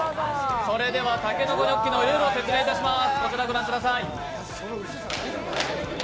それでは「たけのこニョッキ」のルールを説明します。